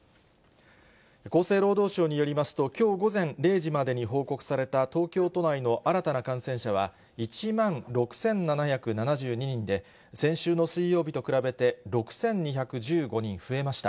厚生労働省によりますと、きょう午前０時までに報告された東京都内の新たな感染者は１万６７７２人で、先週の水曜日と比べて６２１５人増えました。